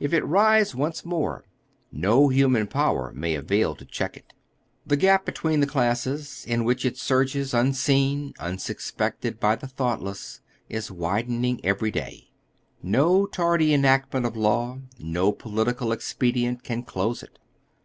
If it rise once more, no human power may avail to check it. The gap between the classes in which it surges, un seen, unsuspected by the thonghtless, is widening day by day. No tardy enactment of law, no political expedient, can close it.